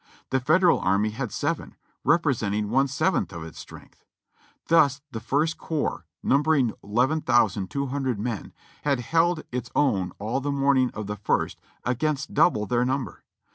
The Federal army had seven, repre senting one seventh of its strength. Thus the First Corps, num bering 11,200 men, had held its own all the morning of the ist against double their number.